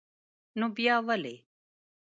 نو با ولي?